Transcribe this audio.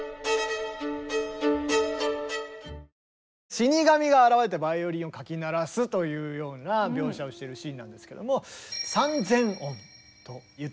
死に神が現れてバイオリンをかき鳴らすというような描写をしているシーンなんですけども。